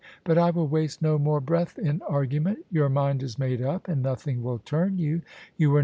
But I will waste no more breath in argument. Your mind is made up and nothing will turn you: you were